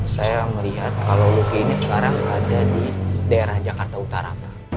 saya melihat kalau luki ini sekarang ada di daerah jakarta utara